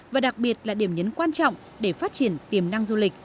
và đặc biệt là điểm nhấn quan trọng để phát triển tiềm năng du lịch